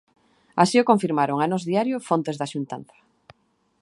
Así o confirmaron a Nós Diario fontes da xuntanza.